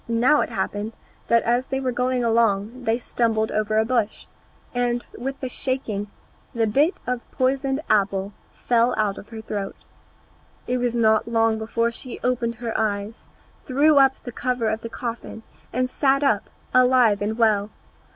Now it happened that as they were going along they stumbled over a bush, and with the shaking the bit of poisoned apple flew out of her throat. It was not long before she opened her eyes, threw up the cover of the coffin, and sat up, alive and well.